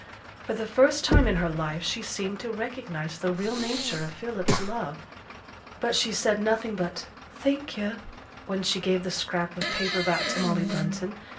For the first time in her life she seemed to recognize the real nature of Philip's love. But she said nothing but 'Thank yo',' when she gave the scrap of paper back to Molly Brunton.